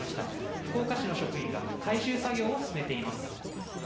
福岡市の職員が回収作業を進めています。